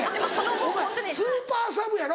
お前スーパーサブやろ。